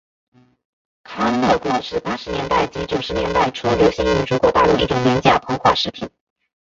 康乐果是八十年代及九十年代初流行于中国大陆一种廉价膨化食品。